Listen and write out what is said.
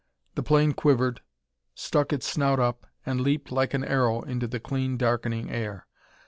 The plane quivered, stuck its snout up and leaped like an arrow into the clean, darkening air.